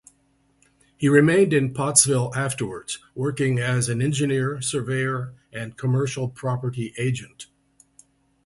He remained in Pottsville afterwards working as an engineer, surveyor and commercial property agent.